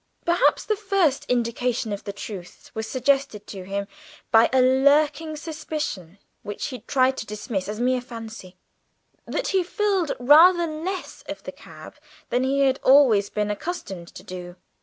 Perhaps the first indication of the truth was suggested to him by a lurking suspicion which he tried to dismiss as mere fancy that he filled rather less of the cab than he had always been accustomed to do.